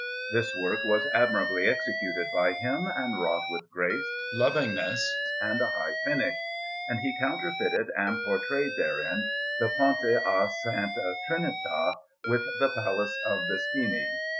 This work was admirably executed by him, and wrought with grace, lovingness, and a high finish; and he counterfeited and portrayed therein the Ponte a S. Trinita, with the Palace of the Spini.